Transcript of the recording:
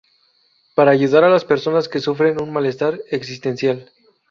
Para ayudar a las personas que sufren un malestar existencial.